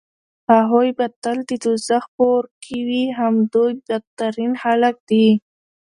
هغوی به تل د دوزخ په اور کې وي همدوی بدترين خلک دي